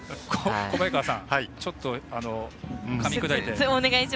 小早川さん、ちょっと噛み砕いて。